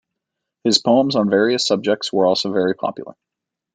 His poems on various subjects were also very popular.